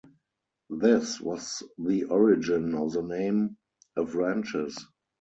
This was the origin of the name "Avranches".